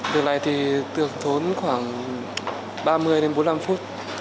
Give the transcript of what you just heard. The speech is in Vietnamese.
từ đây thì thường thốn khoảng ba mươi đến bốn mươi năm phút